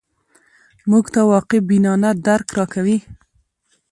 موږ ته واقع بینانه درک راکوي